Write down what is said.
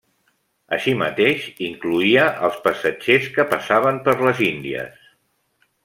Així mateix, incloïa als passatgers que passaven per les índies.